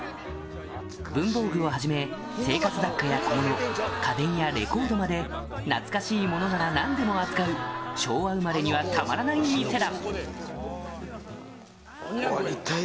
文房具をはじめ、生活雑貨や小物、家電やレコードまで、懐かしいものならなんでも扱う、昭和生まれにはたまらない店だ。